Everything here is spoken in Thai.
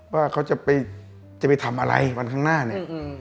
ว่าเขาจะไปจะไปทำอะไรวันข้างหน้าเนี่ย